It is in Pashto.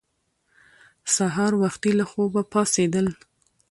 سهار وختي له خوبه پاڅېدل